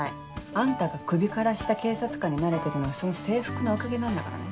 あんたが首から下警察官になれてるのはその制服のおかげなんだからね。